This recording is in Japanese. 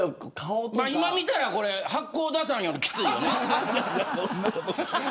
今見たら八甲田山よりきついよね。